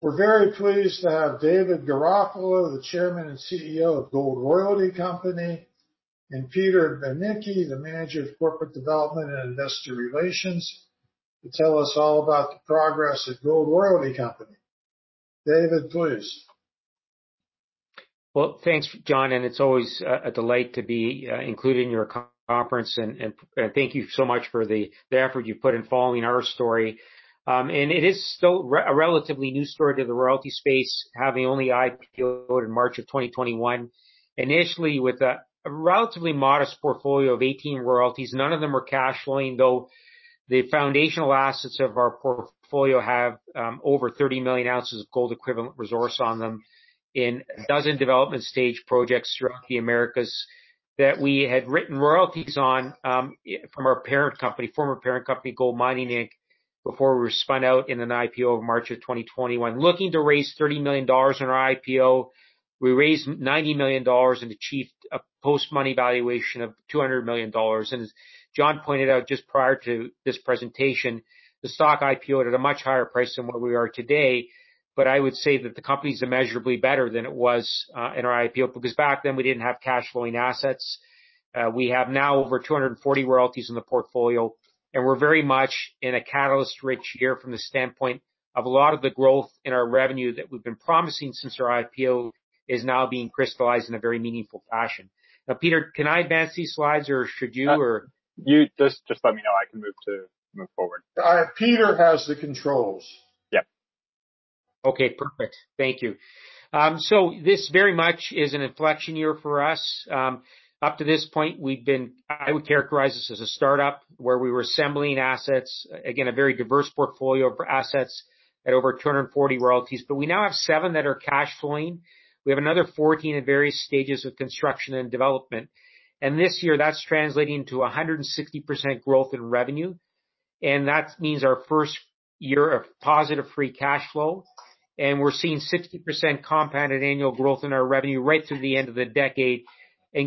We're very pleased to have David Garofalo, the Chairman and CEO of Gold Royalty Company, and Peter Behncke, the Manager of Corporate Development and Investor Relations, to tell us all about the progress at Gold Royalty Company. David, please. Thanks, John, and it's always a delight to be included in your conference, and thank you so much for the effort you've put in following our story. It is still a relatively new story to the royalty space, having only IPO'd in March 2021. Initially, with a relatively modest portfolio of 18 royalties, none of them were cash flowing, though the foundational assets of our portfolio have over 30 million ounces of gold equivalent resource on them, in a dozen development stage projects throughout the Americas that we had written royalties on, from our parent company, former parent company, GoldMining Inc., before we were spun out in an IPO of March 2021. Looking to raise $30 million in our IPO, we raised $90 million and achieved a post-money valuation of $200 million. As John pointed out just prior to this presentation, the stock IPO at a much higher price than what we are today, but I would say that the company's immeasurably better than it was in our IPO, because back then, we didn't have cash flowing assets. We have now over 240 royalties in the portfolio, and we're very much in a catalyst-rich year from the standpoint of a lot of the growth in our revenue that we've been promising since our IPO is now being crystallized in a very meaningful fashion. Now, Peter, can I advance these slides, or should you, or? You just let me know. I can move forward. Peter has the controls. Yeah. Okay, perfect. Thank you. So this very much is an inflection year for us. Up to this point, we've been... I would characterize this as a startup where we were assembling assets. Again, a very diverse portfolio of assets at over two hundred and forty royalties, but we now have seven that are cash flowing. We have another fourteen at various stages of construction and development, and this year, that's translating to 160% growth in revenue, and that means our first year of positive free cash flow, and we're seeing 60% compounded annual growth in our revenue right through the end of the decade.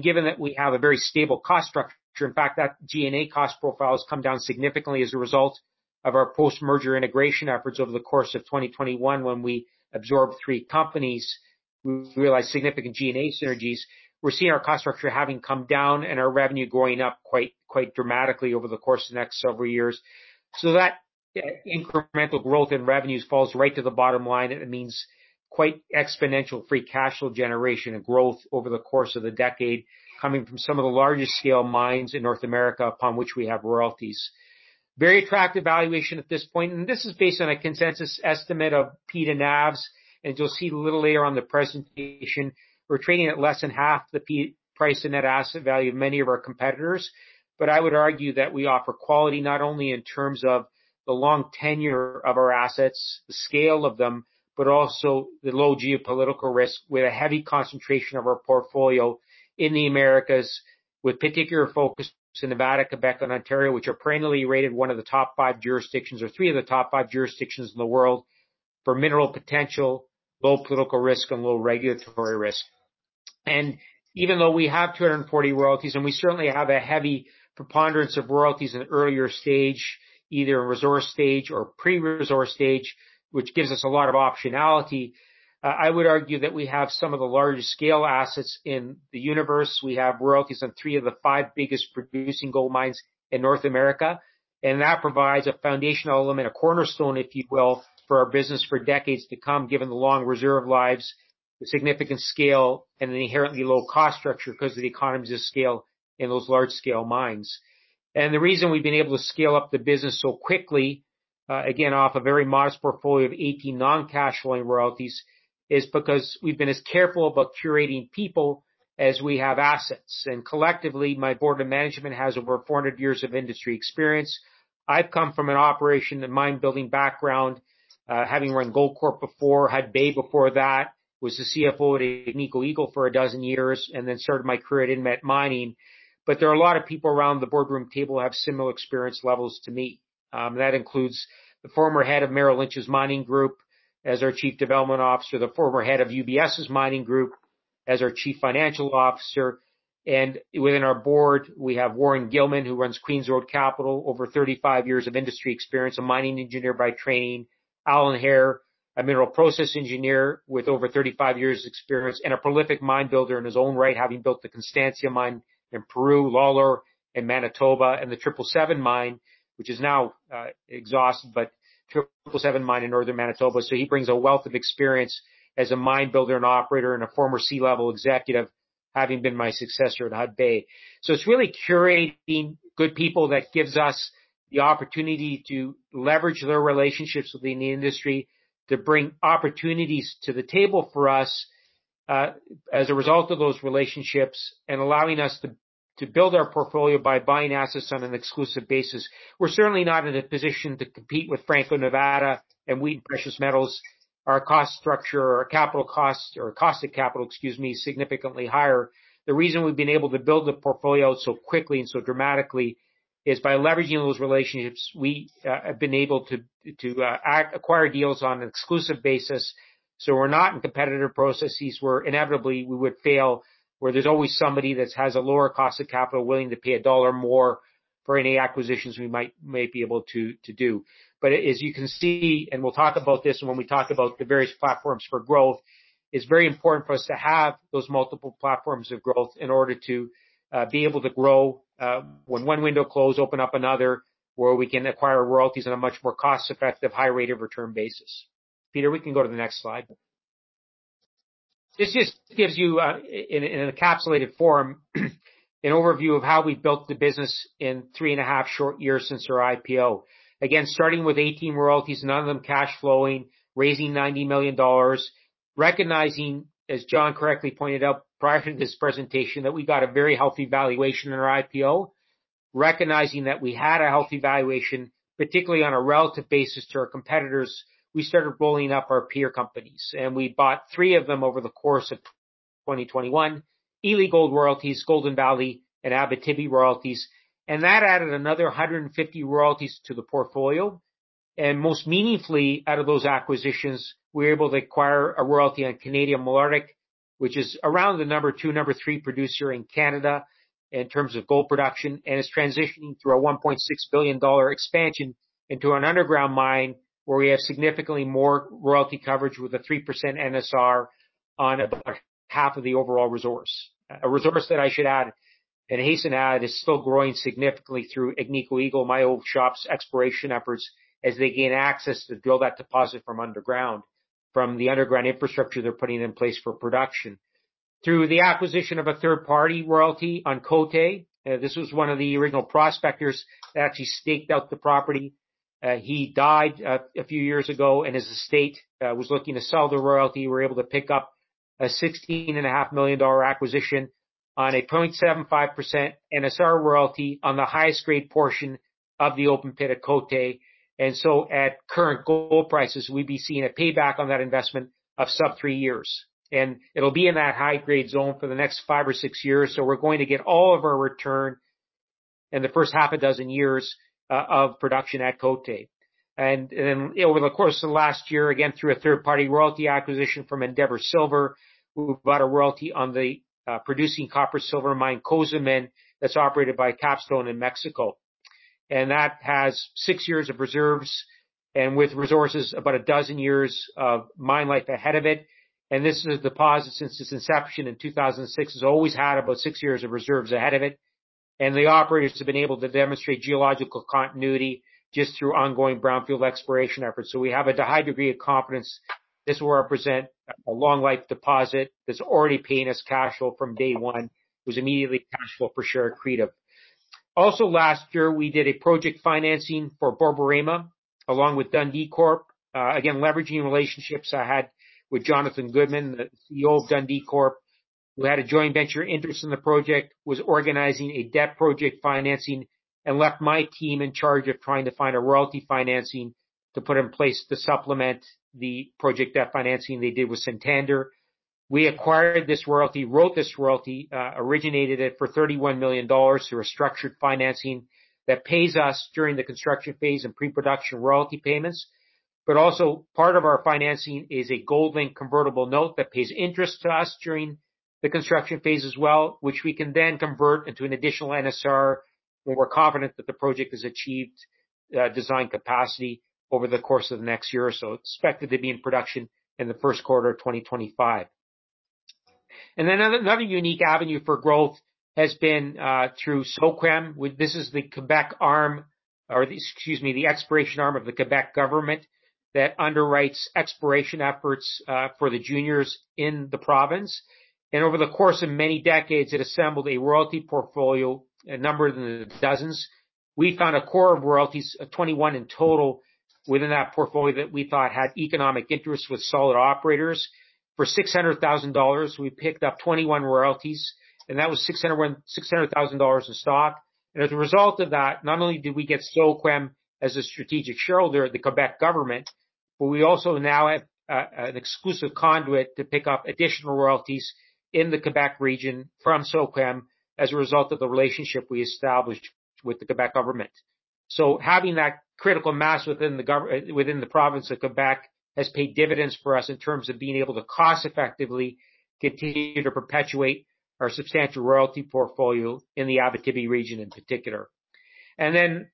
Given that we have a very stable cost structure, in fact, that G&A cost profile has come down significantly as a result of our post-merger integration efforts over the course of 2021, when we absorbed three companies, we realized significant G&A synergies. We're seeing our cost structure having come down and our revenue going up quite, quite dramatically over the course of the next several years. So that, incremental growth in revenues falls right to the bottom line, and it means quite exponential free cash flow generation and growth over the course of the decade, coming from some of the largest scale mines in North America, upon which we have royalties. Very attractive valuation at this point, and this is based on a consensus estimate of P/NAVs, and you'll see a little later on in the presentation, we're trading at less than half the P/NAV of many of our competitors. But I would argue that we offer quality, not only in terms of the long tenure of our assets, the scale of them, but also the low geopolitical risk, with a heavy concentration of our portfolio in the Americas, with particular focus in Nevada, Quebec, and Ontario, which are perennially rated one of the top five jurisdictions or three of the top five jurisdictions in the world for mineral potential, low political risk, and low regulatory risk. And even though we have 240 royalties, and we certainly have a heavy preponderance of royalties in an earlier stage, either a resource stage or pre-resource stage, which gives us a lot of optionality, I would argue that we have some of the largest scale assets in the universe. We have royalties on three of the five biggest producing gold mines in North America, and that provides a foundational element, a cornerstone, if you will, for our business for decades to come, given the long reserve lives, the significant scale, and an inherently low cost structure because of the economies of scale in those large scale mines. And the reason we've been able to scale up the business so quickly, again, off a very modest portfolio of 18 non-cash flowing royalties, is because we've been as careful about curating people as we have assets. And collectively, my board of management has over 400 years of industry experience. I've come from an operation and mine-building background, having run Goldcorp before, Hudbay before that, was the CFO at Agnico Eagle for a dozen years, and then started my career at Inmet Mining. But there are a lot of people around the boardroom table who have similar experience levels to me. That includes the former head of Merrill Lynch's mining group, as our Chief Development Officer, the former head of UBS's mining group as our Chief Financial Officer. And within our board, we have Warren Gilman, who runs Queen's Road Capital, over 35 years of industry experience, a mining engineer by training. Alan Hair, a mineral process engineer with over thirty-five years experience and a prolific mine builder in his own right, having built the Constancia mine in Peru, Lalor in Manitoba, and the 777 mine, which is now exhausted, but 777 mine in Northern Manitoba, so he brings a wealth of experience as a mine builder and operator and a former C-level executive, having been my successor at Hudbay, so it's really curating good people that gives us the opportunity to leverage their relationships within the industry, to bring opportunities to the table for us, as a result of those relationships, and allowing us to build our portfolio by buying assets on an exclusive basis. We're certainly not in a position to compete with Franco-Nevada and Wheaton Precious Metals. Our cost structure, our capital cost, or cost of capital, excuse me, is significantly higher. The reason we've been able to build the portfolio so quickly and so dramatically is by leveraging those relationships. We have been able to acquire deals on an exclusive basis. So we're not in competitive processes where inevitably we would fail, where there's always somebody that has a lower cost of capital, willing to pay a dollar more for any acquisitions we might be able to do. But as you can see, and we'll talk about this when we talk about the various platforms for growth, it's very important for us to have those multiple platforms of growth in order to be able to grow when one window closed, open up another where we can acquire royalties at a much more cost-effective, high rate of return basis. Peter, we can go to the next slide. This just gives you, in an encapsulated form, an overview of how we built the business in three and a half short years since our IPO. Again, starting with 18 royalties, none of them cash flowing, raising $90 million, recognizing, as John correctly pointed out prior to this presentation, that we got a very healthy valuation in our IPO. Recognizing that we had a healthy valuation, particularly on a relative basis to our competitors, we started rolling up our peer companies, and we bought three of them over the course of 2021: Ely Gold Royalties, Golden Valley, and Abitibi Royalties, and that added another 150 royalties to the portfolio. Most meaningfully, out of those acquisitions, we were able to acquire a royalty on Canadian Malartic, which is around the number two, number three producer in Canada in terms of gold production, and is transitioning through a $1.6 billion expansion into an underground mine, where we have significantly more royalty coverage with a 3% NSR on about half of the overall resource. A resource that I should add, and I hasten to add, is still growing significantly through Agnico Eagle, my old shop's exploration efforts, as they gain access to drill that deposit from underground, from the underground infrastructure they're putting in place for production. Through the acquisition of a third-party royalty on Côté. This was one of the original prospectors that actually staked out the property. He died a few years ago, and his estate was looking to sell the royalty. We were able to pick up a $16.5 million acquisition on a 0.75% NSR royalty on the highest grade portion of the open pit of Côté. So at current gold prices, we'd be seeing a payback on that investment of sub-3 years. And it'll be in that high-grade zone for the next five or six years, so we're going to get all of our return in the first half a dozen years of production at Côté. Then over the course of the last year, again, through a third-party royalty acquisition from Endeavour Silver, we bought a royalty on the producing copper silver mine, Cozamin, that's operated by Capstone in Mexico. And that has six years of reserves, and with resources, about a dozen years of mine life ahead of it. This is a deposit, since its inception in 2006, has always had about six years of reserves ahead of it. The operators have been able to demonstrate geological continuity just through ongoing brownfield exploration efforts. We have a high degree of confidence this will represent a long-life deposit that's already paying us cash flow from day one. It was immediately cash flow for share accretive. Also, last year, we did a project financing for Borborema along with Dundee Corp. Again, leveraging relationships I had with Jonathan Goodman, the CEO of Dundee Corp, who had a joint venture interest in the project, was organizing a debt project financing, and left my team in charge of trying to find a royalty financing to put in place to supplement the project debt financing they did with Santander. We acquired this royalty, wrote this royalty, originated it for $31 million through a structured financing that pays us during the construction phase and pre-production royalty payments. But also, part of our financing is a gold-linked convertible note that pays interest to us during the construction phase as well, which we can then convert into an additional NSR when we're confident that the project has achieved design capacity over the course of the next year or so. Expected to be in production in the first quarter of 2025. Another unique avenue for growth has been through SOQUEM. This is the Quebec arm, or the, excuse me, the exploration arm of the Quebec government that underwrites exploration efforts for the juniors in the province. Over the course of many decades, it assembled a royalty portfolio, a number in the dozens. We found a core of royalties, 21 in total, within that portfolio that we thought had economic interest with solid operators. For $600,000, we picked up 21 royalties, and that was $600,000 in stock. As a result of that, not only did we get SOQUEM as a strategic shareholder of the Quebec government, but we also now have an exclusive conduit to pick up additional royalties in the Quebec region from SOQUEM as a result of the relationship we established with the Quebec government. Having that critical mass within the province of Quebec has paid dividends for us in terms of being able to cost-effectively continue to perpetuate our substantial royalty portfolio in the Abitibi region in particular. The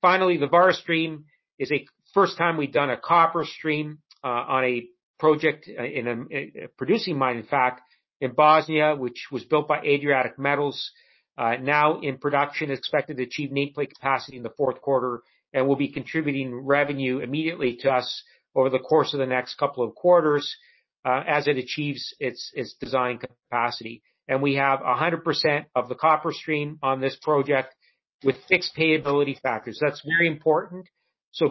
Vares stream is a first time we've done a copper stream on a project in a producing mine, in fact, in Bosnia, which was built by Adriatic Metals. Now in production, expected to achieve nameplate capacity in the fourth quarter, and will be contributing revenue immediately to us over the course of the next couple of quarters as it achieves its design capacity. We have 100% of the copper stream on this project with fixed payability factors. That's very important.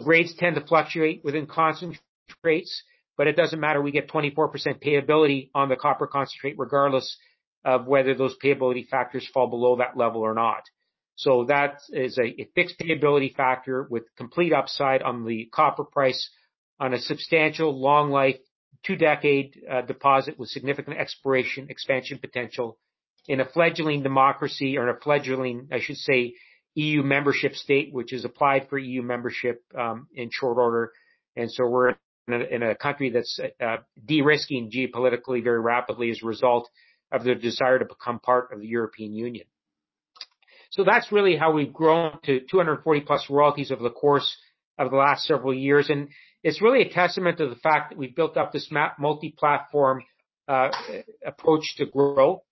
Rates tend to fluctuate within constant rates, but it doesn't matter. We get 24% payability on the copper concentrate, regardless of whether those payability factors fall below that level or not. That is a fixed payability factor with complete upside on the copper price, on a substantial long life, two-decade deposit with significant exploration, expansion potential in a fledgling democracy or in a fledgling, I should say, EU membership state, which has applied for EU membership in short order. We are in a country that's de-risking geopolitically very rapidly as a result of their desire to become part of the European Union. That's really how we've grown to 240-plus royalties over the course of the last several years, and it's really a testament to the fact that we've built up this our multi-platform approach to grow.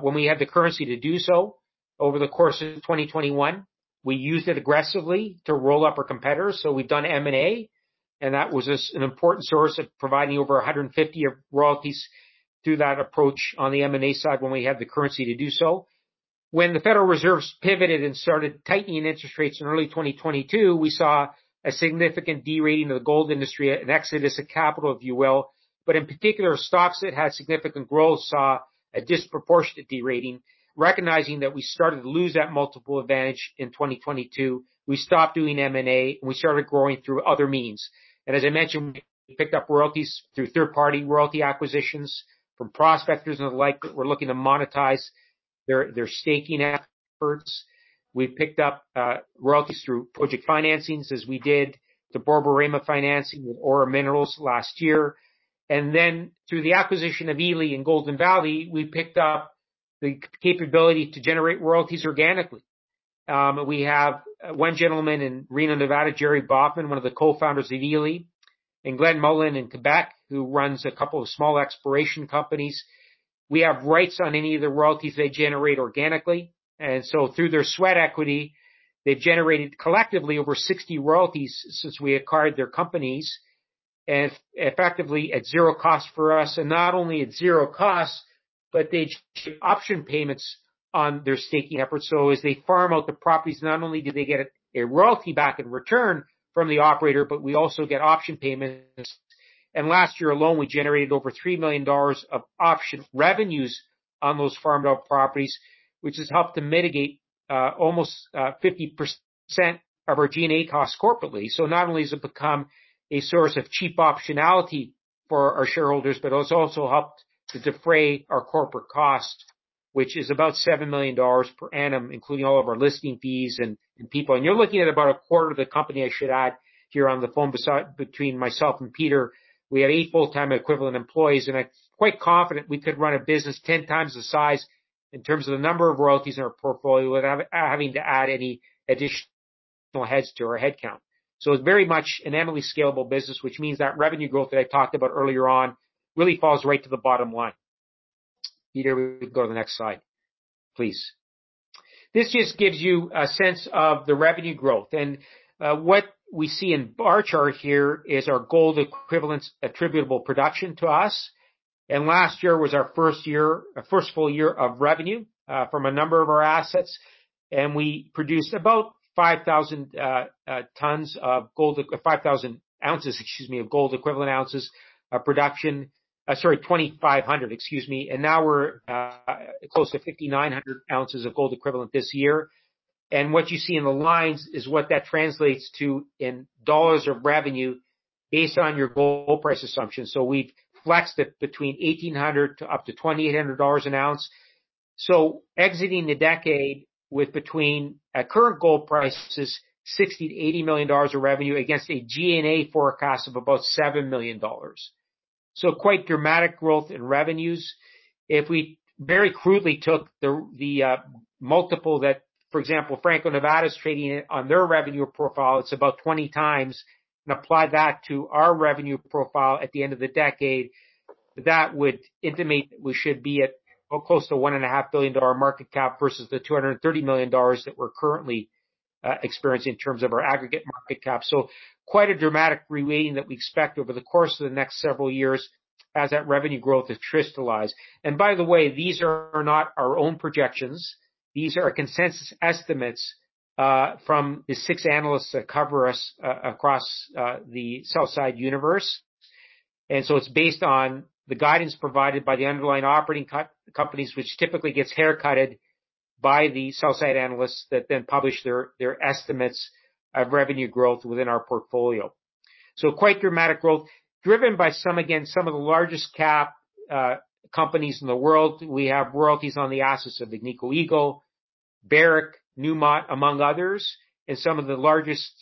When we had the currency to do so, over the course of 2021, we used it aggressively to roll up our competitors. So we've done M&A, and that was just an important source of providing over 150 royalties through that approach on the M&A side, when we had the currency to do so. When the Federal Reserve pivoted and started tightening interest rates in early 2022, we saw a significant de-rating of the gold industry, an exodus of capital, if you will. But in particular, stocks that had significant growth saw a disproportionate de-rating. Recognizing that we started to lose that multiple advantage in 2022, we stopped doing M&A, and we started growing through other means. And as I mentioned, we picked up royalties through third-party royalty acquisitions from prospectors and the like, that were looking to monetize their staking efforts. We've picked up royalties through project financings, as we did the Borborema financing with Aura Minerals last year. And then through the acquisition of Ely and Golden Valley, we picked up the capability to generate royalties organically. We have one gentleman in Reno, Nevada, Jerry Baughman, one of the co-founders of Ely, and Glenn Mullan in Quebec, who runs a couple of small exploration companies. We have rights on any of the royalties they generate organically, and so through their sweat equity, they've generated collectively over 60 royalties since we acquired their companies, and effectively at zero cost for us. And not only at zero cost, but they get option payments on their staking efforts. So as they farm out the properties, not only do they get a royalty back in return from the operator, but we also get option payments. And last year alone, we generated over $3 million of option revenues on those farmed out properties, which has helped to mitigate almost 50% of our G&A costs corporately. So not only has it become a source of cheap optionality for our shareholders, but it has also helped to defray our corporate costs, which is about $7 million per annum, including all of our listing fees and people. And you're looking at about a quarter of the company, I should add, here on the phone beside me. Between myself and Peter, we have eight full-time equivalent employees, and I'm quite confident we could run a business 10x the size in terms of the number of royalties in our portfolio, without having to add any additional heads to our headcount. It's very much a highly scalable business, which means that revenue growth that I talked about earlier on really falls right to the bottom line. Peter, we can go to the next slide, please. This just gives you a sense of the revenue growth. What we see in the bar chart here is our gold equivalent attributable production to us. Last year was our first year, first full year of revenue, from a number of our assets, and we produced about 5,000 tons of gold—5,000 ounces, excuse me, of gold equivalent ounces of production. Sorry, 2,500, excuse me. Now we're close to 5,900 ounces of gold equivalent this year. What you see in the lines is what that translates to in dollars of revenue based on your gold price assumptions. We've flexed it between $1,800 to up to $2,800 an ounce. Exiting the decade with between, at current gold prices, $60-$80 million of revenue against a G&A forecast of about $7 million. Quite dramatic growth in revenues. If we very crudely took the multiple that, for example, Franco-Nevada is trading at on their revenue profile, it's about 20x, and apply that to our revenue profile at the end of the decade, that would intimate that we should be at, well, close to $1.5 billion market cap versus the $230 million that we're currently experiencing in terms of our aggregate market cap. Quite a dramatic reweighting that we expect over the course of the next several years as that revenue growth is crystallized. By the way, these are not our own projections. These are consensus estimates from the six analysts that cover us across the sell side universe. And so it's based on the guidance provided by the underlying operating companies, which typically gets haircutted by the sell side analysts that then publish their estimates of revenue growth within our portfolio. So quite dramatic growth, driven by some, again, some of the largest cap companies in the world. We have royalties on the assets of Agnico Eagle, Barrick, Newmont, among others, and some of the largest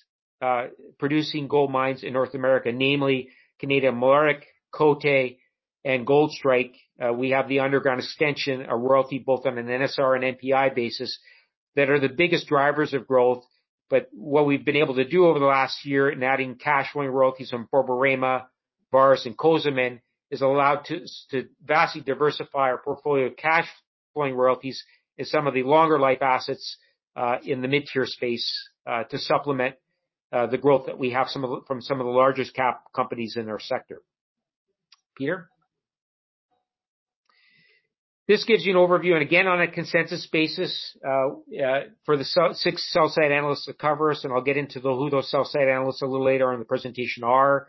producing gold mines in North America, namely Canadian Malartic, Côté, and Goldstrike. We have the underground extension, a royalty both on an NSR and NPI basis, that are the biggest drivers of growth. But what we've been able to do over the last year in adding cash flowing royalties from Borborema, Vares, and Cozamin, has allowed to vastly diversify our portfolio of cash flowing royalties in some of the longer life assets, in the mid-tier space, to supplement the growth that we have from some of the largest cap companies in our sector. Peter? This gives you an overview, and again, on a consensus basis, for the six sell-side analysts that cover us, and I'll get into who those sell-side analysts a little later on in the presentation are.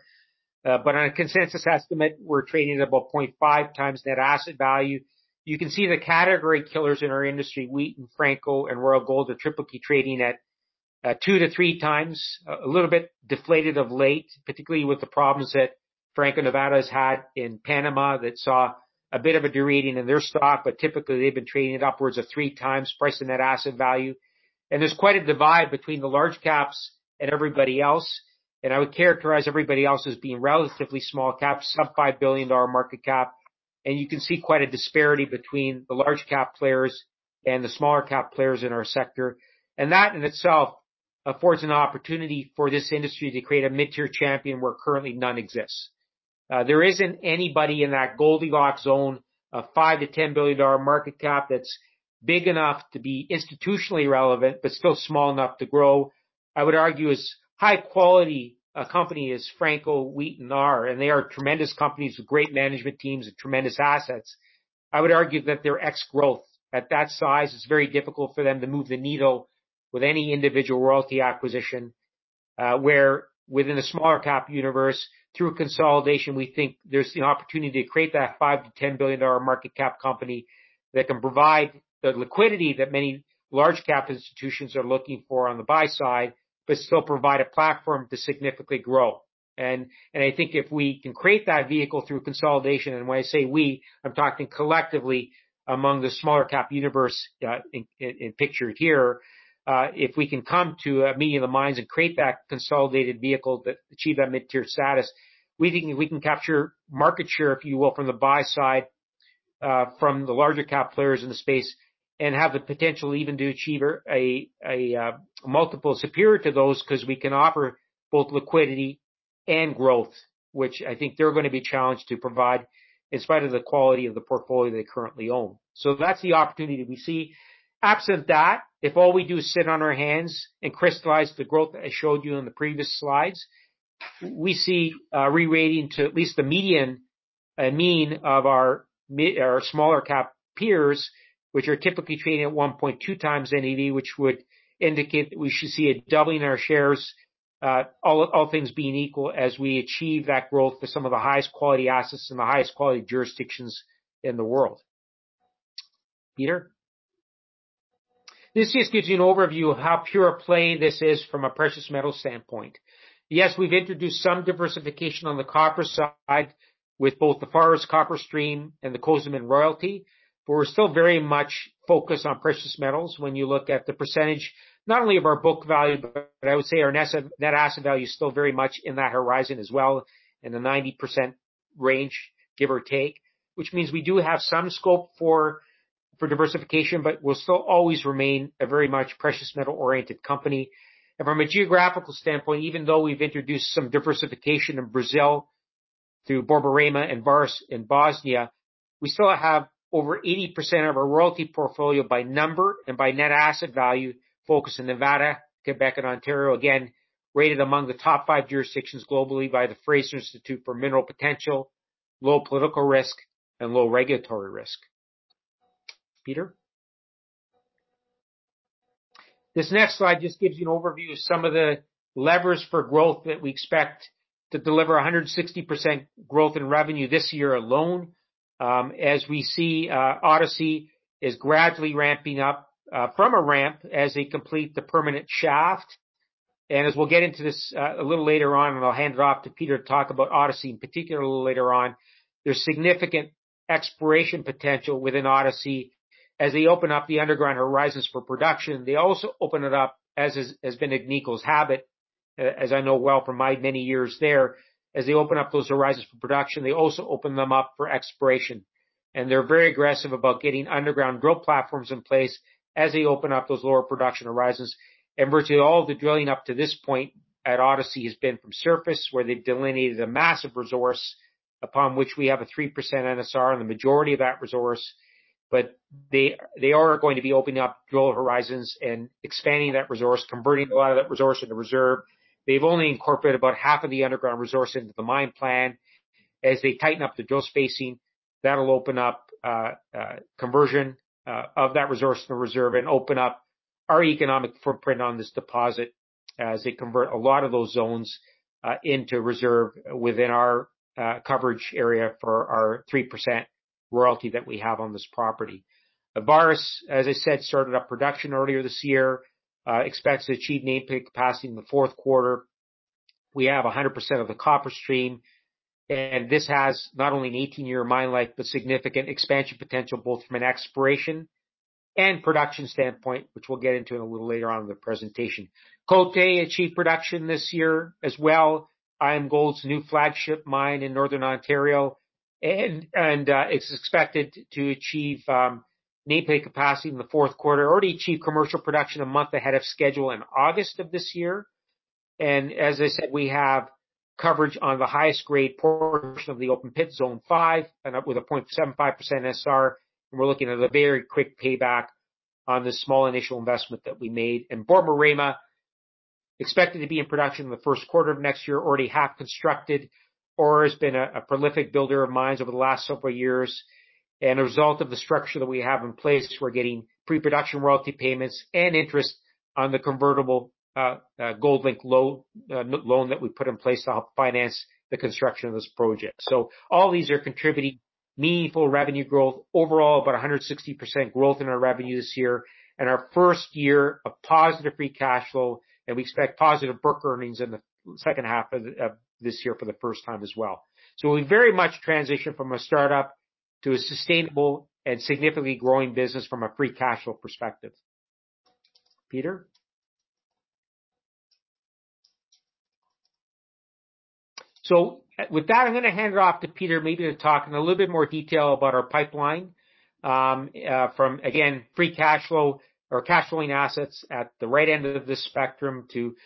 But on a consensus estimate, we're trading at about 0.5x net asset value. You can see the category killers in our industry, Wheaton, Franco and Royal Gold, are typically trading at-2-3x, a little bit deflated of late, particularly with the problems that Franco-Nevada has had in Panama, that saw a bit of a derating in their stock, but typically, they've been trading it upwards of 3x price to net asset value. And there's quite a divide between the large caps and everybody else, and I would characterize everybody else as being relatively small cap, sub $5 billion market cap. And you can see quite a disparity between the large cap players and the smaller cap players in our sector. And that, in itself, affords an opportunity for this industry to create a mid-tier champion where currently none exists. There isn't anybody in that Goldilocks zone of $5-10 billion market cap that's big enough to be institutionally relevant, but still small enough to grow. I would argue as high quality a company as Franco, Wheaton are, and they are tremendous companies with great management teams and tremendous assets. I would argue that their growth at that size is very difficult for them to move the needle with any individual royalty acquisition. Where within the smaller cap universe, through consolidation, we think there's the opportunity to create that $5-10 billion market cap company, that can provide the liquidity that many large cap institutions are looking for on the buy side, but still provide a platform to significantly grow. I think if we can create that vehicle through consolidation, and when I say we, I'm talking collectively among the smaller cap universe, as pictured here. If we can come to a meeting of the minds and create that consolidated vehicle that achieve that mid-tier status, we think we can capture market share, if you will, from the buy side, from the larger cap players in the space, and have the potential even to achieve a multiple superior to those, 'cause we can offer both liquidity and growth. Which I think they're gonna be challenged to provide, in spite of the quality of the portfolio they currently own. So that's the opportunity that we see. Absent that, if all we do is sit on our hands and crystallize the growth I showed you in the previous slides, we see re-rating to at least the median mean of our smaller cap peers, which are typically trading at 1.2x NAV, which would indicate that we should see a doubling in our shares, all things being equal, as we achieve that growth with some of the highest quality assets and the highest quality jurisdictions in the world. Peter? This just gives you an overview of how pure a play this is from a precious metal standpoint. Yes, we've introduced some diversification on the copper side with both the Vares copper stream and the Cozamin royalty, but we're still very much focused on precious metals when you look at the percentage, not only of our book value, but I would say our asset, net asset value is still very much in that horizon as well, in the 90% range, give or take. Which means we do have some scope for diversification, but we'll still always remain a very much precious metal-oriented company. And from a geographical standpoint, even though we've introduced some diversification in Brazil through Borborema and Vares in Bosnia, we still have over 80% of our royalty portfolio by number and by net asset value, focused in Nevada, Quebec and Ontario. Again, rated among the top five jurisdictions globally by the Fraser Institute for Mineral Potential, low political risk and low regulatory risk. Peter? This next slide just gives you an overview of some of the levers for growth that we expect to deliver 160% growth in revenue this year alone. As we see, Odyssey is gradually ramping up from a ramp as they complete the permanent shaft. And as we'll get into this a little later on, and I'll hand it off to Peter to talk about Odyssey in particular, a little later on. There's significant exploration potential within Odyssey. As they open up the underground horizons for production, they also open it up, as is, as has been Agnico's habit, as I know well from my many years there. As they open up those horizons for production, they also open them up for exploration, and they're very aggressive about getting underground drill platforms in place as they open up those lower production horizons. And virtually all the drilling up to this point at Odyssey has been from surface, where they've delineated a massive resource upon which we have a 3% NSR and the majority of that resource. But they, they are going to be opening up drill horizons and expanding that resource, converting a lot of that resource into reserve. They've only incorporated about half of the underground resource into the mine plan. As they tighten up the drill spacing, that'll open up conversion of that resource in the reserve and open up our economic footprint on this deposit as they convert a lot of those zones into reserve within our coverage area for our 3% royalty that we have on this property. Vares, as I said, started up production earlier this year, expects to achieve nameplate capacity in the fourth quarter. We have 100% of the copper stream, and this has not only an eighteen-year mine life, but significant expansion potential, both from an exploration and production standpoint, which we'll get into a little later on in the presentation. Côté achieved production this year as well, IAMGOLD's new flagship mine in northern Ontario, and it's expected to achieve nameplate capacity in the fourth quarter. Already achieved commercial production a month ahead of schedule in August of this year. And as I said, we have coverage on the highest grade portion of the open pit zone five, and up with a 0.75% NSR, and we're looking at a very quick payback on the small initial investment that we made. And Borborema, expected to be in production in the first quarter of next year, already half constructed, Aura has been a prolific builder of mines over the last several years. As a result of the structure that we have in place, we're getting pre-production royalty payments and interest on the convertible Gold Royalty loan that we put in place to help finance the construction of this project. So all these are contributing. Meaningful revenue growth overall, about 160% growth in our revenue this year, and our first year of positive free cash flow, and we expect positive book earnings in the second half of this year for the first time as well. So we very much transition from a start-up to a sustainable and significantly growing business from a free cash flow perspective. Peter? So, with that, I'm gonna hand it off to Peter, maybe to talk in a little bit more detail about our pipeline, from, again, free cash flow or cash flowing assets at the right end of this spectrum to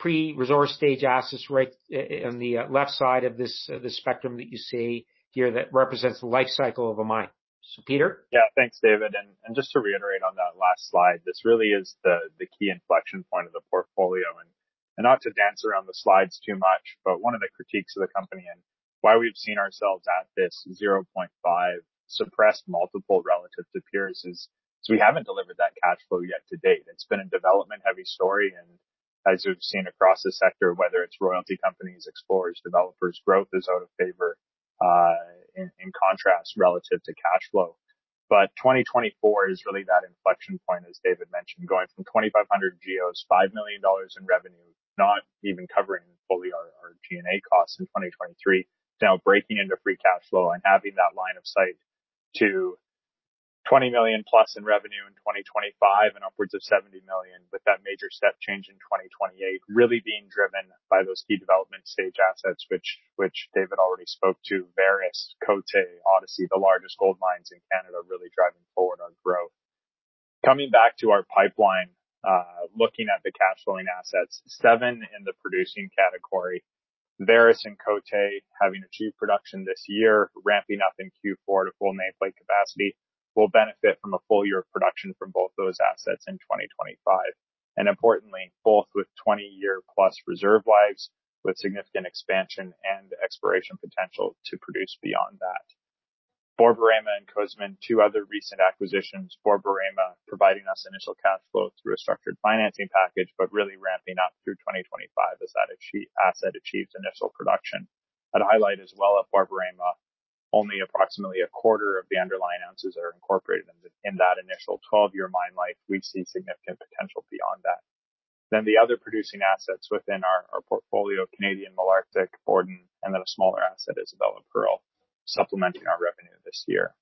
pre-resource stage assets right in the left side of this spectrum that you see here that represents the life cycle of a mine. So, Peter? Yeah. Thanks, David. And just to reiterate on that last slide, this really is the key inflection point of the portfolio. And not to dance around the slides too much, but one of the critiques of the company and why we've seen ourselves at this 0.5 suppressed multiple relative to peers is so we haven't delivered that cash flow yet to date. It's been a development-heavy story, and as we've seen across the sector, whether it's royalty companies, explorers, developers, growth is out of favor in contrast relative to cash flow. But 2024 is really that inflection point, as David mentioned, going from 2,500 GEOs, $5 million in revenue, not even covering fully our G&A costs in 2023. Now breaking into free cash flow and having that line of sight to $20 million plus in revenue in 2025 and upwards of $70 million, with that major step change in 2028, really being driven by those key development stage assets, which David already spoke to, Vares, Côté, Odyssey, the largest gold mines in Canada, really driving forward our growth. Coming back to our pipeline, looking at the cash flowing assets, seven in the producing category. Vares and Côté, having achieved production this year, ramping up in Q4 to full nameplate capacity, will benefit from a full year of production from both those assets in 2025. Importantly, both with 20-year-plus reserve lives, with significant expansion and exploration potential to produce beyond that. Borborema and Cozamin, two other recent acquisitions, Borborema, providing us initial cash flow through a structured financing package, but really ramping up through 2025 as that asset achieves initial production. I'd highlight as well at Borborema, only approximately a quarter of the underlying ounces are incorporated in the, in that initial twelve-year mine life. We see significant potential beyond that. Then the other producing assets within our, our portfolio, Canadian Malartic, Borden, and then a smaller asset, Isabella Pearl, supplementing our revenue this year.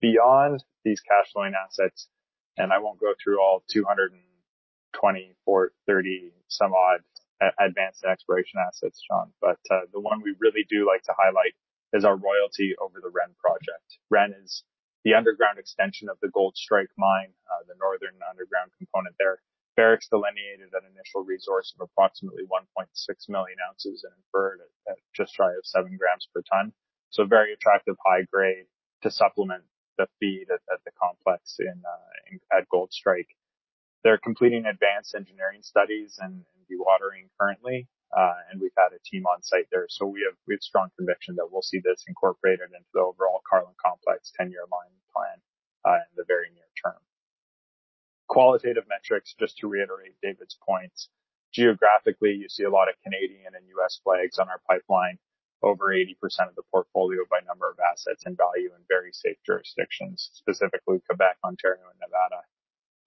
Beyond these cash flowing assets, and I won't go through all 224, thirty-some odd, advanced exploration assets, John, but, the one we really do like to highlight is our royalty over the Ren project. Ren is the underground extension of the Goldstrike mine, the northern underground component there. Barrick delineated an initial resource of approximately 1.6 million ounces and inferred at just shy of 7 grams per ton. So very attractive, high grade to supplement the feed at the complex in at Goldstrike. They're completing advanced engineering studies and dewatering currently, and we've had a team on site there, so we have strong conviction that we'll see this incorporated into the overall Carlin Complex ten-year mining plan, in the very near term. Qualitative metrics, just to reiterate David's points. Geographically, you see a lot of Canadian and U.S. flags on our pipeline, over 80% of the portfolio by number of assets and value in very safe jurisdictions, specifically Quebec, Ontario, and Nevada.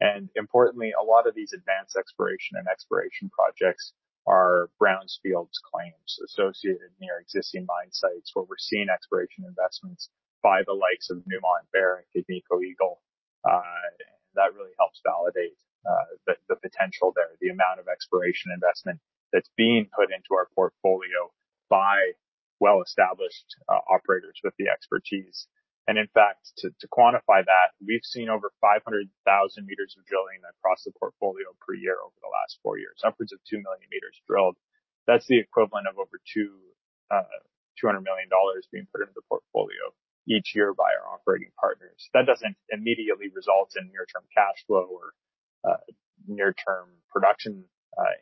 And importantly, a lot of these advanced exploration and exploration projects are brownfields claims associated near existing mine sites, where we're seeing exploration investments by the likes of Newmont, Barrick, Agnico Eagle. That really helps validate the potential there, the amount of exploration investment that's being put into our portfolio by well-established operators with the expertise. And in fact, to quantify that, we've seen over 500,000 meters of drilling across the portfolio per year over the last four years, upwards of 2 million meters drilled. That's the equivalent of over $200 million being put into the portfolio each year by our operating partners. That doesn't immediately result in near-term cash flow or near-term production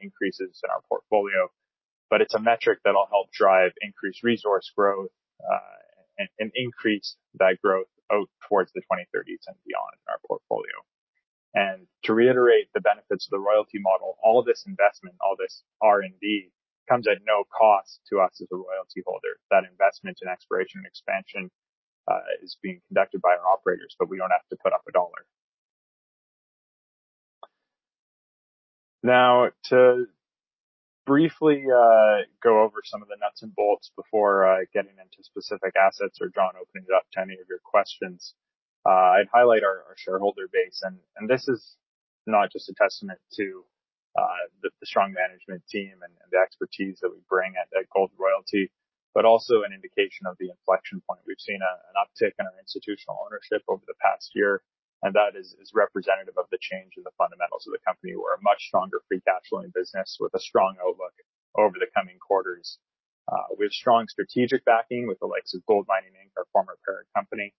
increases in our portfolio, but it's a metric that'll help drive increased resource growth and increase that growth out towards the 2030s and beyond in our portfolio. And to reiterate the benefits of the royalty model, all of this investment, all this R&D, comes at no cost to us as a royalty holder. That investment in exploration and expansion is being conducted by our operators, but we don't have to put up a dollar. Now, to briefly go over some of the nuts and bolts before getting into specific assets, or John, opening it up to any of your questions, I'd highlight our shareholder base. This is not just a testament to the strong management team and the expertise that we bring at Gold Royalty, but also an indication of the inflection point. We've seen an uptick in our institutional ownership over the past year, and that is representative of the change in the fundamentals of the company. We're a much stronger free cash flowing business with a strong outlook over the coming quarters, with strong strategic backing, with the likes of GoldMining Inc., our former parent company.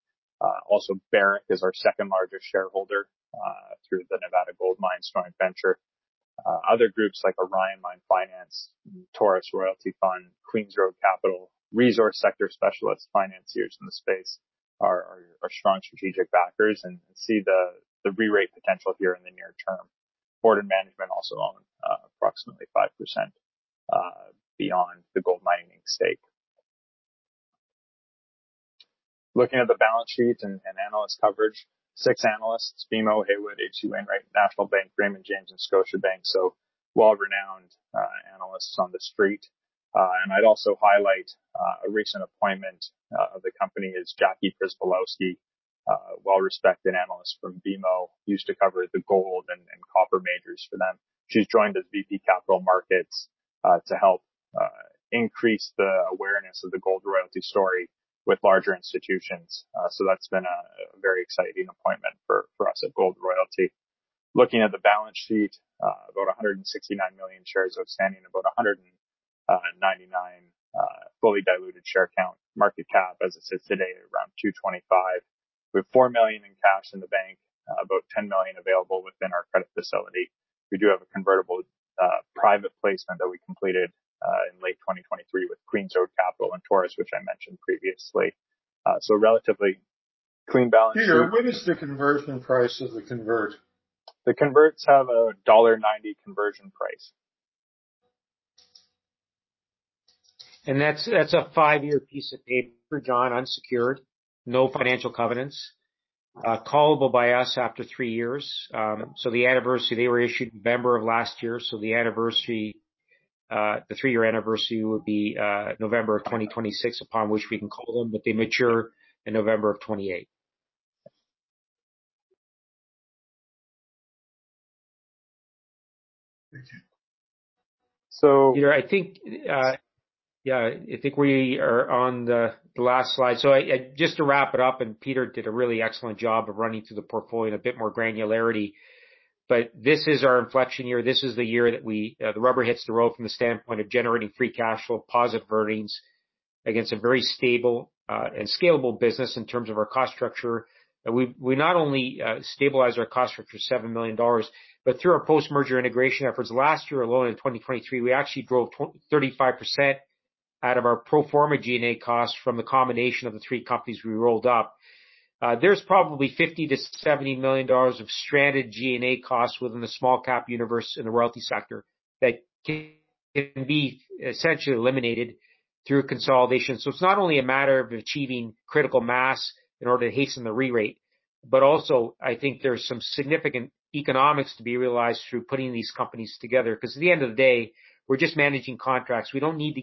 Also, Barrick is our second largest shareholder, through the Nevada Gold Mines joint venture. Other groups like Orion Mine Finance, Taurus Royalty Fund, Queen's Road Capital, resource sector specialists, financiers in the space, are strong strategic backers and see the rerate potential here in the near term. Board and management also own approximately 5% beyond the gold mining stake. Looking at the balance sheet and analyst coverage, six analysts, BMO, Haywood, H.C. Wainwright, National Bank, Raymond James, and Scotiabank, so well-renowned analysts on the street. I'd also highlight a recent appointment of the company is Jackie Przybylowski, a well-respected analyst from BMO, who used to cover the gold and copper majors for them. She's joined as VP, Capital Markets to help increase the awareness of the Gold Royalty story with larger institutions. That's been a very exciting appointment for us at Gold Royalty. Looking at the balance sheet, about 169 million shares outstanding, about 199 fully diluted share count. Market cap, as it sits today, around $225 million. We have $4 million in cash in the bank, about $10 million available within our credit facility. We do have a convertible private placement that we completed in late 2023 with Queen's Road Capital and Taurus, which I mentioned previously. So relatively clean balance sheet. Peter, what is the conversion price of the convert? The converts have a $1.90 conversion price. That's a five-year piece of paper, John, unsecured, no financial covenants, callable by us after three years. So the anniversary, they were issued November of last year, so the three-year anniversary would be November of 2026, upon which we can call them, but they mature in November of 28th. So- Here, I think we are on the last slide. So, just to wrap it up, Peter did a really excellent job of running through the portfolio in a bit more granularity, but this is our inflection year. This is the year that we the rubber hits the road from the standpoint of generating free cash flow, positive earnings against a very stable and scalable business in terms of our cost structure. That we not only stabilize our cost structure, $7 million, but through our post-merger integration efforts last year alone in 2023, we actually drove 35% out of our pro forma G&A costs from the combination of the three companies we rolled up. There's probably $50-70 million of stranded G&A costs within the small cap universe in the royalty sector that can be essentially eliminated through consolidation. So it's not only a matter of achieving critical mass in order to hasten the rerate, but also, I think there's some significant economics to be realized through putting these companies together, because at the end of the day, we're just managing contracts. We don't need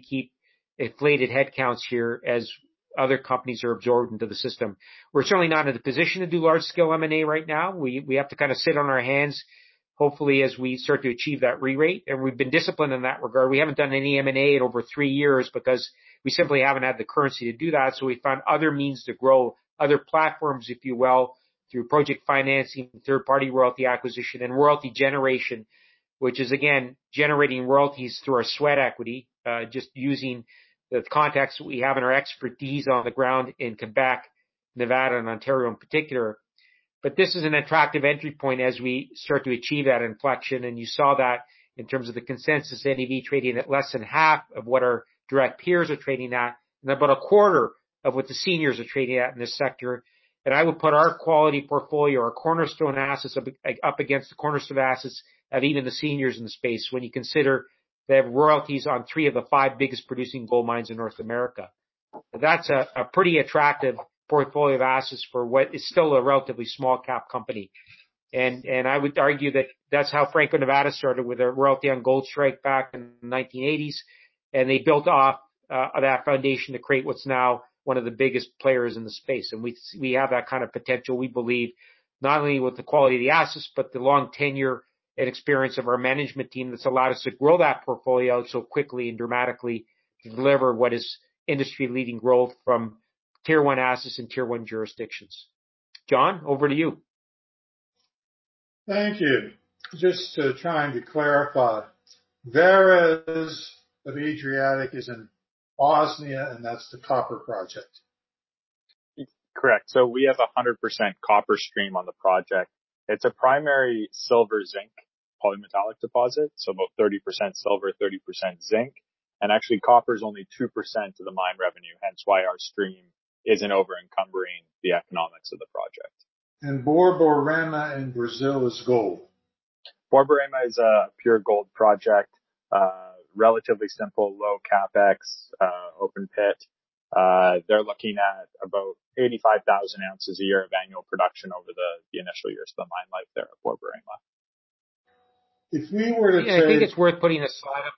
to keep inflated headcounts here as other companies are absorbed into the system. We're certainly not in a position to do large-scale M&A right now. We have to kind of sit on our hands, hopefully, as we start to achieve that rerate, and we've been disciplined in that regard. We haven't done any M&A in over three years because we simply haven't had the currency to do that, so we found other means to grow other platforms, if you will, through project financing, third-party royalty acquisition, and royalty generation, which is, again, generating royalties through our sweat equity, just using the contacts we have and our expertise on the ground in Quebec, Nevada, and Ontario in particular. But this is an attractive entry point as we start to achieve that inflection, and you saw that in terms of the consensus, NAV trading at less than half of what our direct peers are trading at, and about a quarter of what the seniors are trading at in this sector. I would put our quality portfolio, our cornerstone assets up against the cornerstone assets of even the seniors in the space, when you consider they have royalties on three of the five biggest producing gold mines in North America. That's a pretty attractive portfolio of assets for what is still a relatively small cap company. I would argue that that's how Franco-Nevada started with their royalty on Goldstrike back in the nineteen eighties, and they built off on that foundation to create what's now one of the biggest players in the space. And we have that kind of potential, we believe, not only with the quality of the assets, but the long tenure and experience of our management team, that's allowed us to grow that portfolio so quickly and dramatically to deliver what is industry-leading growth from tier one assets and tier one jurisdictions. John, over to you. Thank you. Just trying to clarify, Vares of Adriatic is in Bosnia, and that's the copper project? Correct. So we have a 100% copper stream on the project. It's a primary silver, zinc, polymetallic deposit, so about 30% silver, 30% zinc, and actually, copper is only 2% of the mine revenue, hence why our stream isn't overencumbering the economics of the project. Borborema in Brazil is gold? Borborema is a pure gold project, relatively simple, low CapEx, open pit. They're looking at about 85,000 ounces a year of annual production over the initial years of the mine life there at Borborema. If we were to say- I think it's worth putting a slide up.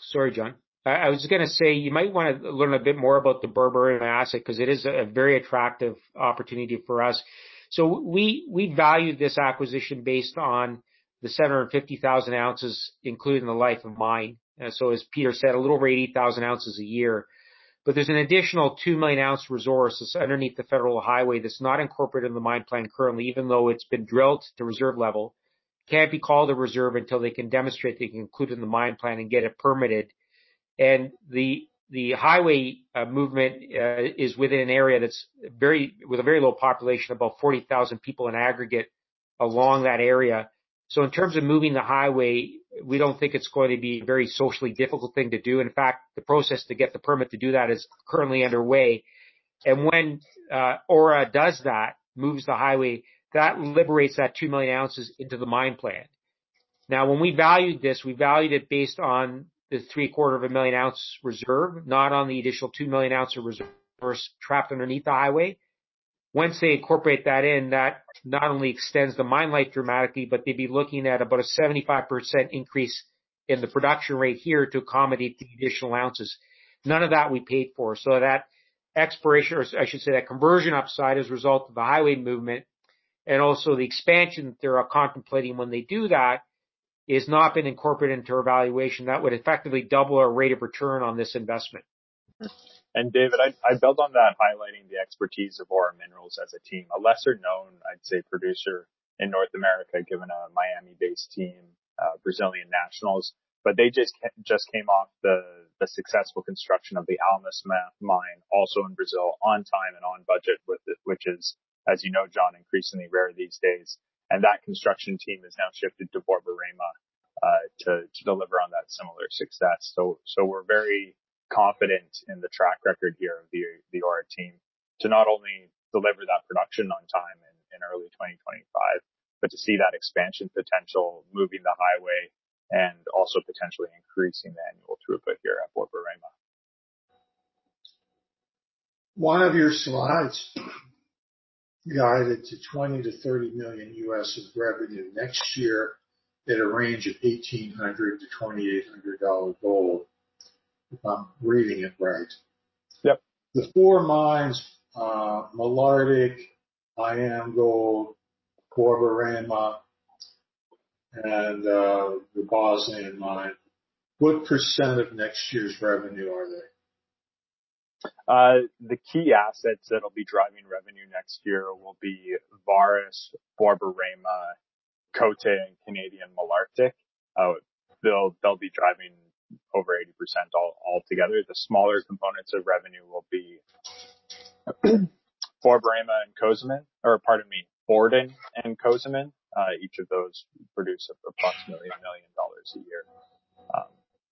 Sorry, John. I was just gonna say, you might wanna learn a bit more about the Borborema asset, because it is a very attractive opportunity for us, so we value this acquisition based on the seven hundred and fifty thousand ounces, including the life of mine, and so, as Peter said, a little over eighty thousand ounces a year, but there's an additional two million ounce resources underneath the federal highway that's not incorporated in the mine plan currently, even though it's been drilled to reserve level, can't be called a reserve until they can demonstrate they can include it in the mine plan and get it permitted, and the highway movement is within an area that's very with a very low population, about forty thousand people in aggregate along that area. In terms of moving the highway, we don't think it's going to be a very socially difficult thing to do. In fact, the process to get the permit to do that is currently underway. When Aura does that, moves the highway, that liberates that two million ounces into the mine plan. Now, when we valued this, we valued it based on the three-quarter of a million ounce reserve, not on the additional two million ounce of reserve first trapped underneath the highway. Once they incorporate that in, that not only extends the mine life dramatically, but they'd be looking at about a 75% increase in the production rate here to accommodate the additional ounces. None of that we paid for. That exploration, or I should say, that conversion upside, as a result of the highway movement and also the expansion that they are contemplating when they do that, has not been incorporated into our valuation. That would effectively double our rate of return on this investment. David, I build on that, highlighting the expertise of Aura Minerals as a team. A lesser-known, I'd say, producer in North America, given a Miami-based team, Brazilian nationals, but they just came off the successful construction of the Almas Mine, also in Brazil, on time and on budget, which is, as you know, John, increasingly rare these days. That construction team has now shifted to Borborema to deliver on that similar success. We're very confident in the track record here of the Aura team to not only deliver that production on time in early 2025, but to see that expansion potential moving the highway and also potentially increasing the annual throughput here at Borborema. One of your slides guided to $20-$30 million of revenue next year at a range of $1,800-$2,800 gold, if I'm reading it right? Yep. The four mines, Malartic, IAMGOLD, Borborema, and the Bosnian mine. What percent of next year's revenue are they? The key assets that'll be driving revenue next year will be Vares, Borborema, Côté, and Canadian Malartic. They'll be driving over 80% all together. The smaller components of revenue will be Borborema and Cozamin, or pardon me, Borden and Cozamin. Each of those produce approximately $1 million a year.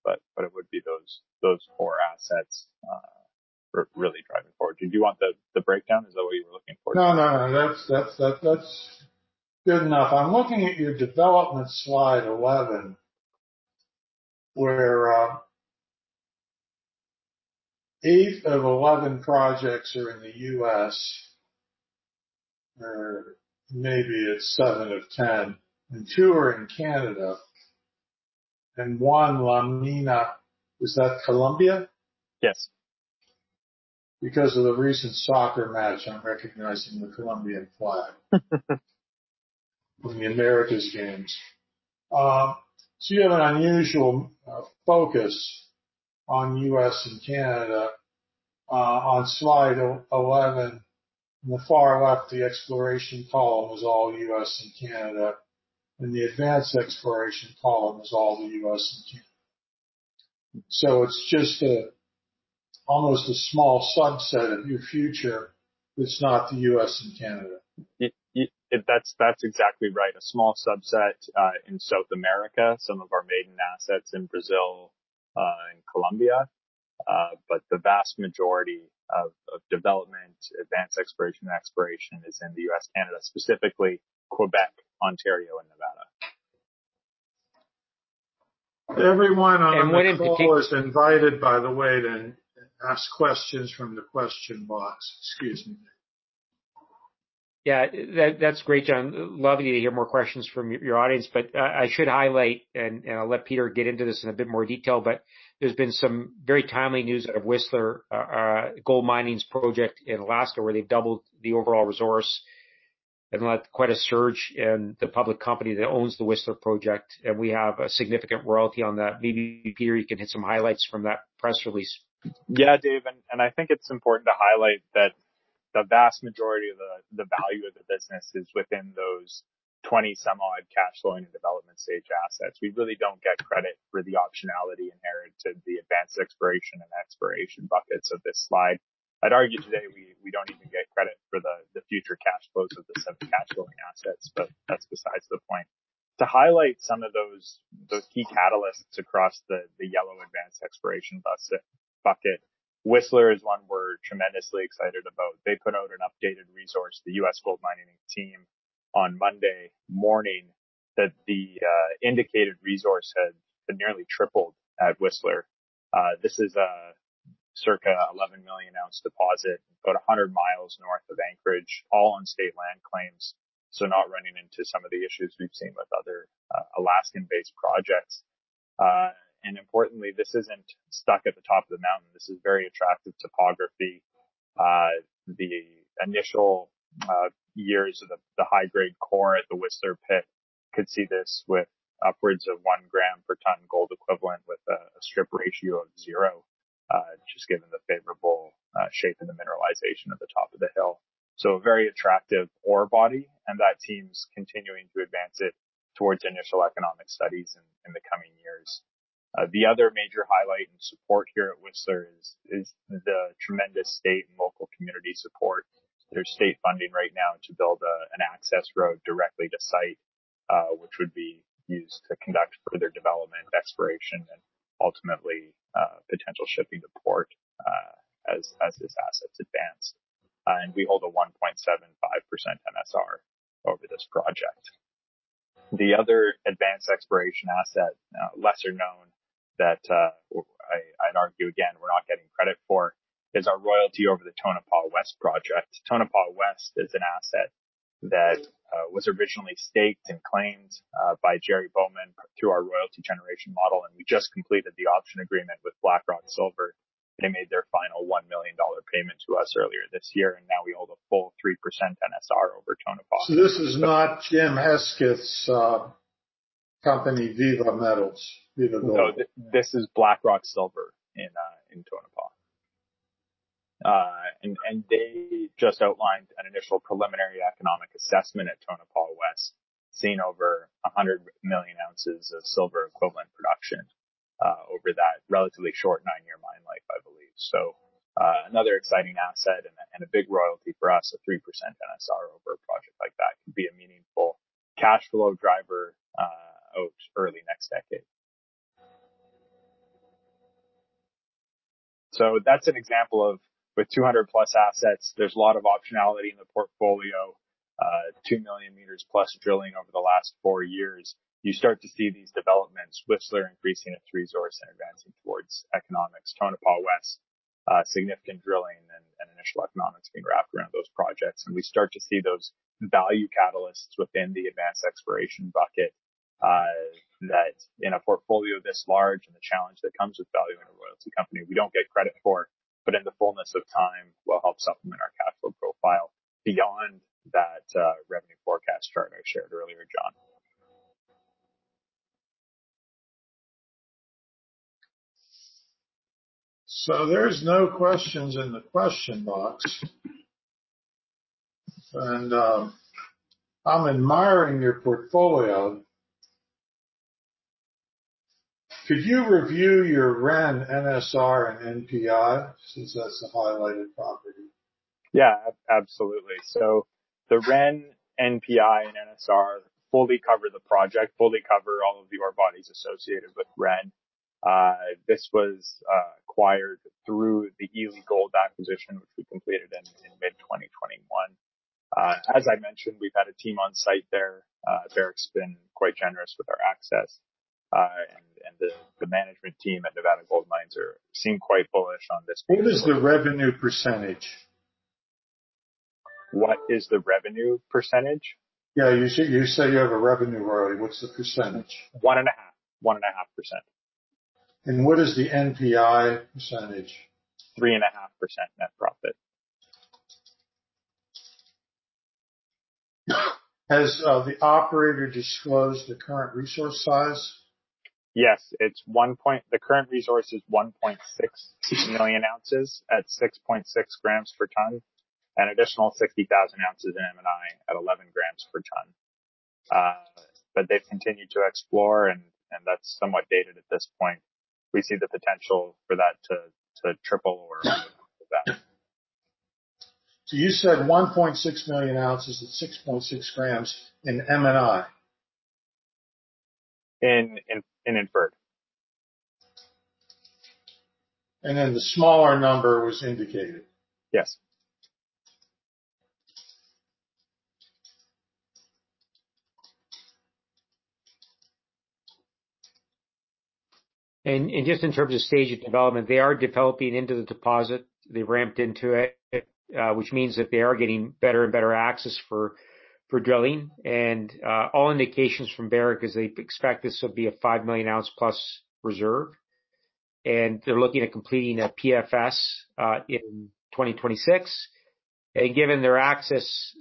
But it would be those four assets we're really driving forward. Do you want the breakdown? Is that what you were looking for? No, no, no. That's good enough. I'm looking at your development slide 11, where eight of 11 projects are in the U.S., or maybe it's seven of 10, and two are in Canada, and one, La Mina, is that Colombia? Yes. Because of the recent soccer match, I'm recognizing the Colombian flag. From the Americas Games. So you have an unusual focus on U.S. and Canada on slide eleven. In the far left, the exploration column is all U.S. and Canada, and the advanced exploration column is all the U.S. and Canada. So it's just a almost a small subset of your future, it's not the U.S. and Canada. That's exactly right. A small subset in South America, some of our maiden assets in Brazil and Colombia, but the vast majority of development, advanced exploration, and exploration is in the U.S., Canada, specifically Quebec, Ontario, and Nevada. Everyone on the call is invited, by the way, to ask questions from the question box. Excuse me. Yeah, that's great, John. Love you to hear more questions from your audience, but I should highlight, and I'll let Peter get into this in a bit more detail, but there's been some very timely news out of Whistler, GoldMining's project in Alaska, where they've doubled the overall resource and led quite a surge in the public company that owns the Whistler project, and we have a significant royalty on that. Maybe, Peter, you can hit some highlights from that press release. Yeah, Dave, and I think it's important to highlight that the vast majority of the value of the business is within those 20-some-odd cash flowing and development stage assets. We really don't get credit for the optionality inherent to the advanced exploration and exploration buckets of this slide. I'd argue today we don't even get credit for the future cash flows of the semi-cash flowing assets, but that's besides the point. To highlight some of those key catalysts across the yellow advanced exploration bucket, Whistler is one we're tremendously excited about. They put out an updated resource, the U.S. GoldMining team, on Monday morning, that the indicated resource had nearly tripled at Whistler. This is a circa 11 million ounce deposit, about 100 miles north of Anchorage, all on state land claims, so not running into some of the issues we've seen with other Alaskan-based projects, and importantly, this isn't stuck at the top of the mountain. This is very attractive topography. The initial years of the high-grade core at the Whistler pit could see this with upwards of 1 g per ton gold equivalent with a strip ratio of zero, just given the favorable shape and the mineralization at the top of the hill. So a very attractive ore body, and that team's continuing to advance it towards initial economic studies in the coming years. The other major highlight and support here at Whistler is the tremendous state and local community support. There's state funding right now to build an access road directly to site, which would be used to conduct further development, exploration, and ultimately potential shipping to port. As this asset advances, and we hold a 1.75% NSR over this project. The other advanced exploration asset, lesser known that, I, I'd argue, again, we're not getting credit for, is our royalty over the Tonopah West project. Tonopah West is an asset that was originally staked and claimed by Jerry Baughman through our royalty generation model, and we just completed the option agreement with Blackrock Silver. They made their final $1 million payment to us earlier this year, and now we hold a full 3% NSR over Tonopah. This is not Jim Heskett's company, Viva Gold? No, this is Blackrock Silver in Tonopah. And they just outlined an initial preliminary economic assessment at Tonopah West, seeing over 100 million ounces of silver equivalent production over that relatively short nine-year mine life, I believe. So, another exciting asset and a big royalty for us, a 3% NSR over a project like that could be a meaningful cash flow driver out early next decade. So that's an example of with 200 plus assets, there's a lot of optionality in the portfolio. 2+ million drilling over the last four years, you start to see these developments. Whistler increasing its resource and advancing towards economics. Tonopah West, significant drilling and initial economics being wrapped around those projects. And we start to see those value catalysts within the advanced exploration bucket, that in a portfolio this large and the challenge that comes with valuing a royalty company, we don't get credit for, but in the fullness of time, will help supplement our cash flow profile beyond that, revenue forecast chart I shared earlier, John. There's no questions in the question box. I'm admiring your portfolio. Could you review your Ren NSR and NPI since that's the highlighted property? Yeah, absolutely. So the Ren NPI and NSR fully cover the project, fully cover all of the ore bodies associated with Ren. This was acquired through the Ely Gold acquisition, which we completed in mid-2021. As I mentioned, we've had a team on site there. Barrick's been quite generous with our access, and the management team at Nevada Gold Mines seem quite bullish on this- What is the revenue percentage? What is the revenue percentage? Yeah. You said you have a revenue royalty. What's the percentage? 1.5%. What is the NPI percentage? 3.5% net profit. Has the operator disclosed the current resource size? Yes, it's 1.6. The current resource is 1.6 million ounces at 6.6 g per ton, an additional 60,000 ounces in M&I at 11 g per ton. But they've continued to explore, and that's somewhat dated at this point. We see the potential for that to triple or more than that. So you said 1.6 million ounces at 6.6 g in M&I? Inferred. And then the smaller number was indicated? Yes. Just in terms of stage of development, they are developing into the deposit. They ramped into it, which means that they are getting better and better access for drilling. All indications from Barrick is they expect this to be a five million ounce-plus reserve, and they're looking at completing a PFS in 2026. Given their access,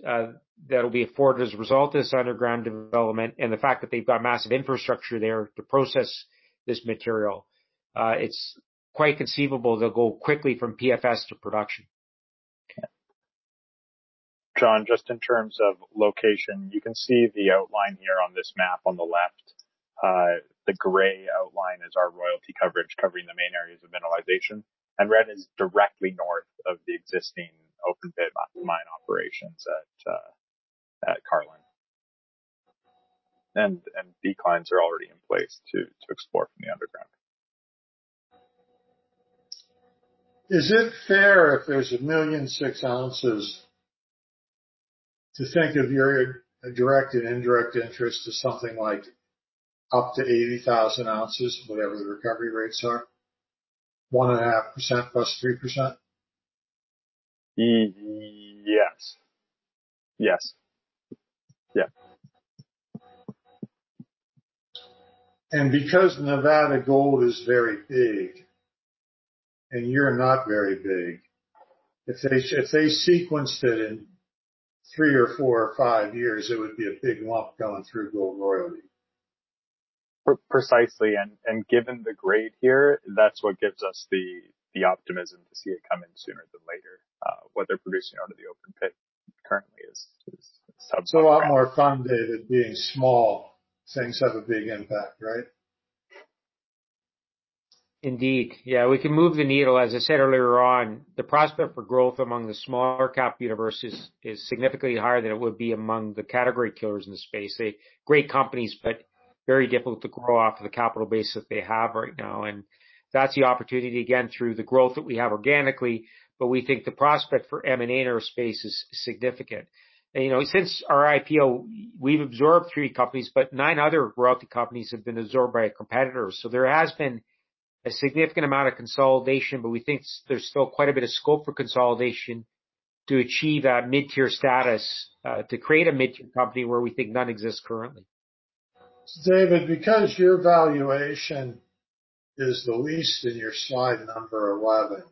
that'll be afforded as a result of this underground development and the fact that they've got massive infrastructure there to process this material, it's quite conceivable they'll go quickly from PFS to production. Okay. John, just in terms of location, you can see the outline here on this map on the left. The gray outline is our royalty coverage, covering the main areas of mineralization, and Ren is directly north of the existing open pit mine operations at Carlin. And declines are already in place to explore from the underground. Is it fair if there's a million six ounces, to think of your direct and indirect interest to something like up to eighty thousand ounces, whatever the recovery rates are, 1.5% plus 3%? Yes. Yes. Yeah. Because Nevada Gold is very big and you're not very big, if they sequenced it in three or four or five years, it would be a big lump going through Gold Royalty. Precisely, and given the grade here, that's what gives us the optimism to see it coming sooner than later. What they're producing out of the open pit currently is substantial. So, a lot more funded at being small, things have a big impact, right? Indeed. Yeah, we can move the needle. As I said earlier on, the prospect for growth among the smaller cap universe is significantly higher than it would be among the category killers in the space. They're great companies, but very difficult to grow off of the capital base that they have right now, and that's the opportunity, again, through the growth that we have organically, but we think the prospect for M&A in our space is significant. And, you know, since our IPO, we've absorbed three companies, but nine other royalty companies have been absorbed by a competitor. So there has been a significant amount of consolidation, but we think there's still quite a bit of scope for consolidation to achieve that mid-tier status, to create a mid-tier company where we think none exists currently. David, because your valuation is the least in your slide number eleven,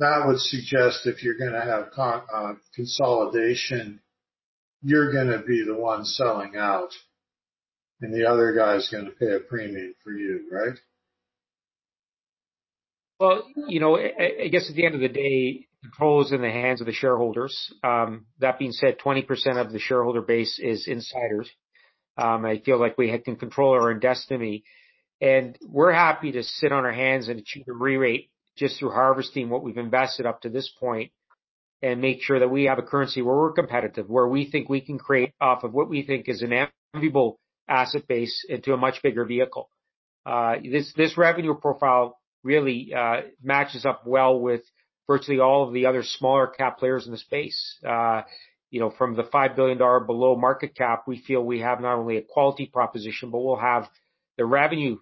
that would suggest if you're gonna have consolidation, you're gonna be the one selling out, and the other guy's gonna pay a premium for you, right? You know, I, I guess at the end of the day, control is in the hands of the shareholders. That being said, 20% of the shareholder base is insiders. I feel like we can control our own destiny, and we're happy to sit on our hands and achieve a re-rate just through harvesting what we've invested up to this point, and make sure that we have a currency where we're competitive, where we think we can create off of what we think is an enviable asset base into a much bigger vehicle. This revenue profile really matches up well with virtually all of the other smaller cap players in the space. You know, from the $5 billion below market cap, we feel we have not only a quality proposition, but we'll have the revenue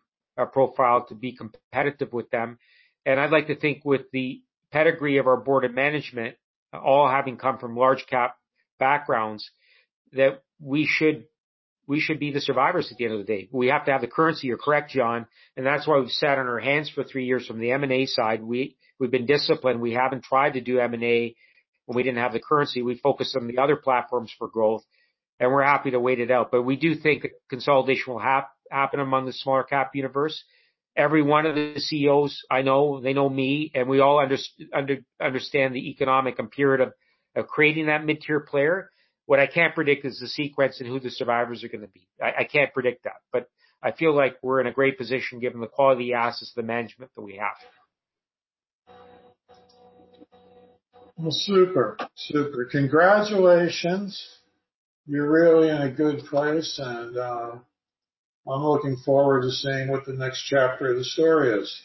profile to be competitive with them. And I'd like to think with the pedigree of our board and management, all having come from large cap backgrounds, that we should, we should be the survivors at the end of the day. We have to have the currency, you're correct, John, and that's why we've sat on our hands for three years from the M&A side. We've been disciplined. We haven't tried to do M&A, when we didn't have the currency. We focused on the other platforms for growth, and we're happy to wait it out. But we do think consolidation will happen among the smaller cap universe. Every one of the CEOs I know, they know me, and we all understand the economic imperative of creating that mid-tier player. What I can't predict is the sequence and who the survivors are gonna be. I can't predict that, but I feel like we're in a great position given the quality of the assets and the management that we have. Super. Congratulations. You're really in a good place, and I'm looking forward to seeing what the next chapter of the story is.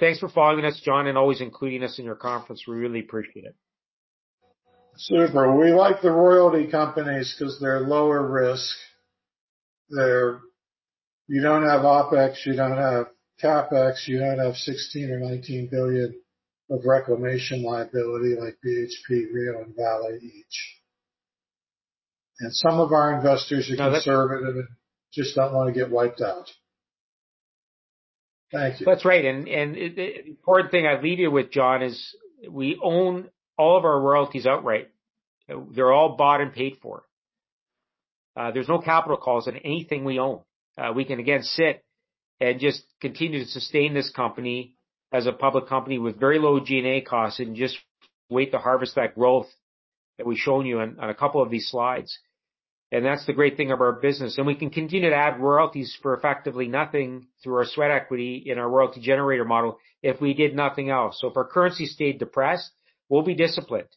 Thanks for following us, John, and always including us in your conference. We really appreciate it. Super. We like the royalty companies because they're lower risk. They're... You don't have OpEx, you don't have CapEx, you don't have $16 billion-$19 billion of reclamation liability like BHP, Rio, and Vale each. Some of our investors are conservative and just don't want to get wiped out. Thank you. That's right. And the important thing I'd leave you with, John, is we own all of our royalties outright. They're all bought and paid for. There's no capital calls on anything we own. We can again sit and just continue to sustain this company as a public company with very low G&A costs and just wait to harvest that growth that we've shown you on a couple of these slides. And that's the great thing about our business. And we can continue to add royalties for effectively nothing through our sweat equity in our royalty generator model if we did nothing else. So if our currency stayed depressed, we'll be disciplined,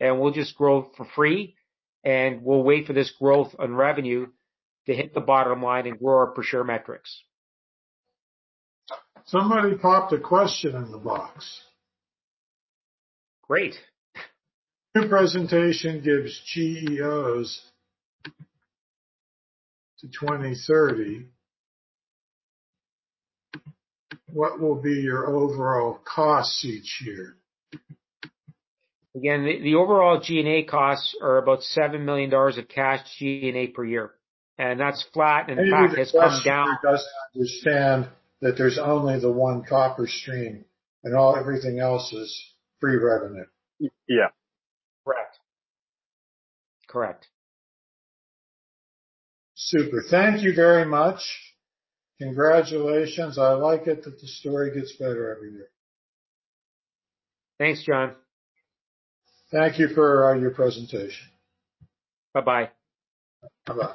and we'll just grow for free, and we'll wait for this growth on revenue to hit the bottom line and grow our per share metrics. Somebody popped a question in the box. Great! Your presentation gives GEOs to 2030. What will be your overall costs each year? Again, the overall G&A costs are about $7 million of cash G&A per year, and that's flat, and in fact, has come down. Maybe the questioner doesn't understand that there's only the one copper stream, and all, everything else is free revenue. Yeah. Correct. Super. Thank you very much. Congratulations. I like it that the story gets better every year. Thanks, John. Thank you for your presentation. Bye-bye. Bye-bye.